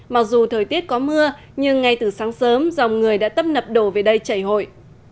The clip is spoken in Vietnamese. mặc dù thời tiết có mưa nhưng ngay từ sáng sớm dòng người đã tấp nập đổ về đây chảy hội